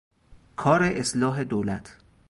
کار اصلاح دولت